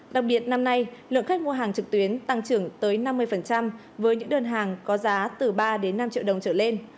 đặc biệt năm nay lượng khách mua hàng trực tuyến tăng trưởng tới năm mươi với những đơn hàng có giá từ ba năm triệu đồng trở lên